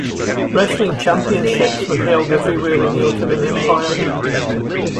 Wrestling championships were held everywhere in the Ottoman Empire.